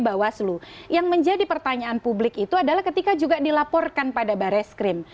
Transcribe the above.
bawaslu yang menjadi pertanyaan publik itu adalah ketika juga dilaporkan pada barreskrim